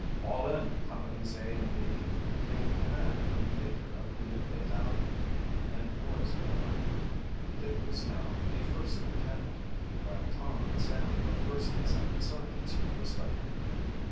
"Fall in, Companies A and B!" came the command from the major of the battalion, and the boys fell in. Dick was now a first lieutenant, while Tom and Sam were first and second sergeants respectively.